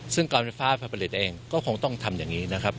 ซึ่งการไฟฟ้าผลิตเองก็คงต้องทำอย่างนี้นะครับ